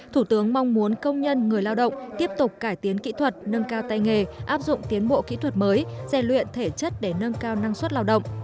thủ tướng mong muốn công nhân người lao động tiếp tục cải tiến kỹ thuật nâng cao tay nghề áp dụng tiến bộ kỹ thuật mới rèn luyện thể chất để nâng cao năng suất lao động